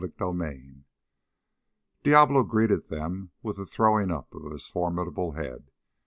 CHAPTER 16 Diablo greeted them with a throwing up of his formidable head.